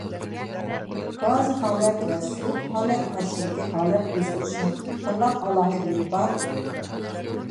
گاز ھالەت ۋە سۇيۇق ھالەت ئارىسىدىكى ھالەت ئۆزگىرىشىنىڭ قانداق ئالاھىدىلىكى بار؟